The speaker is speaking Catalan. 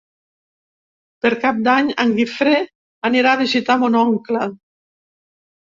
Per Cap d'Any en Guifré anirà a visitar mon oncle.